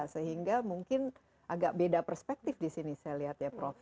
sehingga mungkin agak beda perspektif di sini saya lihat ya prof